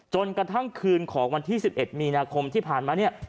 จนกระทั่งคืนของวันที่๑๑มีนาคมที่ผ่านมาเนี่ย